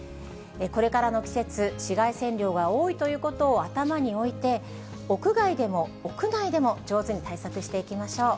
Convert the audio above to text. これからの季節、紫外線量が多いということを頭において、屋外でも屋内でも、上手に対策していきましょう。